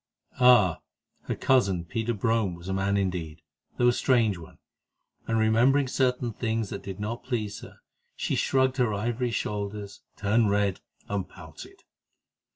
Ah! her cousin, Peter Brome, was a man indeed, though a strange one, and remembering certain things that did not please her, she shrugged her ivory shoulders, turned red, and pouted.